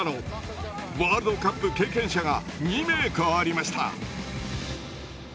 ワールドカップ経験者が２名加わりました。